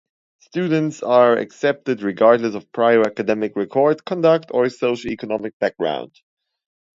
Students are accepted regardless of prior academic record, conduct, or socioeconomic background.